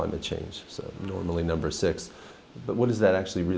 tất nhiên những người trẻ